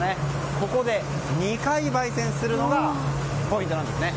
ここで２回焙煎するのがポイントなんですね。